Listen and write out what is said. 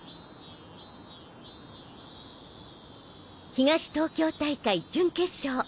東東京大会準決勝。